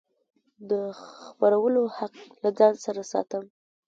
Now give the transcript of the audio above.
د خپرولو حق له ځان سره ساتم.